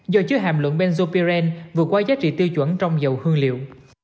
do chứa hàm luận benzopyrin vượt qua giá trị tiêu chuẩn trong dầu hương liệu